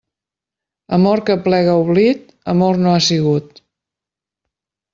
Amor que aplega a oblit, amor no ha sigut.